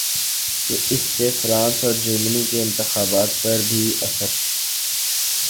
کہ اس سے فرانس ا ور جرمنی کے انتخابات پر بھی اثر